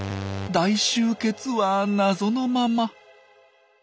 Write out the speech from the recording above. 大集結は謎のまま。